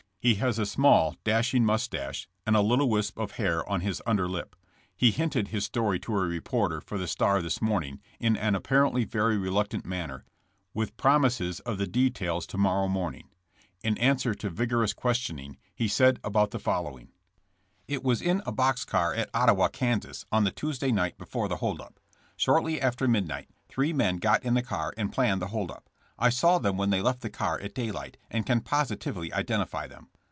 He has a small, dashing mustache, and a little wisp of hair on his under lip. He hinted his story to a reporter for The Star this morning in an apparently very reluctant manner, with promises of the details to morrow morning. In answer to vigorous questioning he said about the following: It was in a box car at Ottawa, Kas., on the Tuesday night before the hold up. Shortly after midnight three men got in the car and planned the hold up. I saw them when they left the car at day light, and can positively identify them.